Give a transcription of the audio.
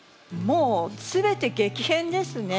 もう全て激変ですね。